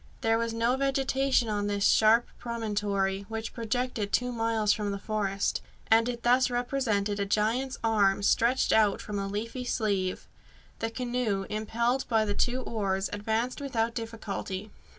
There was no vegetation on this sharp promontory, which projected two miles from the forest, and it thus represented a giant's arm stretched out from a leafy sleeve. The canoe, impelled by the two oars, advanced without difficulty.